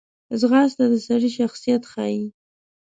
ځغاسته د سړي شخصیت ښیي